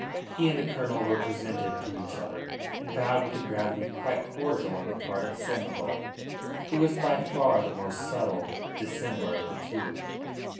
He and the colonel were presented to each other, and bowed with a gravity quite cordial on the part of Samoval, who was by far the more subtle dissembler of the two.